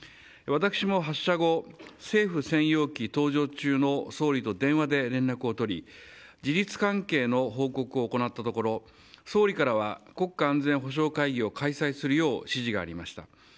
私も発射後、政府専用機搭乗中の総理と電話で連絡を取り事実関係の報告を行ったところ総理からは国家安全保障会議を開催するよう指示がありました。